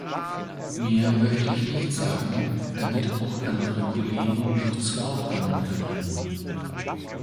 Mehr möchte ich nicht sagen, damit auch andere Kollegen noch zu Wort kommen können.